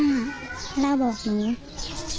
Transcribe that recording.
พี่น้องของผู้เสียหายแล้วเสร็จแล้วมีการของผู้เสียหาย